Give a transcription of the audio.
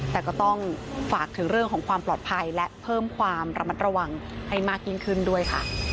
แต่ก็ต้องฝากถึงเรื่องของความปลอดภัยและเพิ่มความระมัดระวังให้มากยิ่งขึ้นด้วยค่ะ